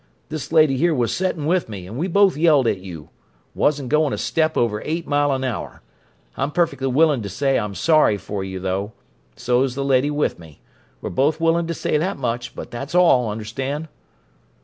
This lady here was settin' with me and we both yelled at you. Wasn't goin' a step over eight mile an hour! I'm perfectly willing to say I'm sorry for you though, and so's the lady with me. We're both willing to say that much, but that's all, understand!"